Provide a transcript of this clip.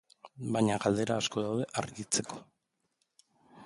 Baina galdera asko daude argittzeko.